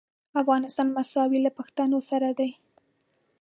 افغانستان مساوي له پښتنو سره دی.